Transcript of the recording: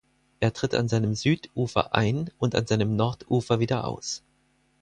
Er tritt an seinem Südufer ein und an seinem Nordufer wieder aus.